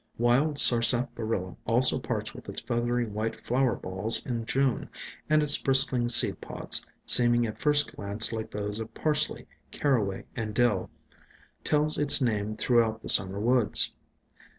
Wild Sarsa parilla also parts with its feathery white flower balls in June, and its bristling seed pods, seeming at first glance like those of Parsley, Caraway and Dill, tell its name throughout the Summer woods.